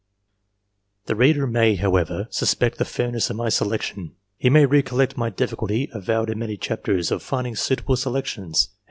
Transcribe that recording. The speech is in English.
The reader may, however, suspect the fairness of my selection. He may recollect my difficulty, avowed in many chapters, of finding suitable selections, and will suspect 1 Lord Chancellors, p.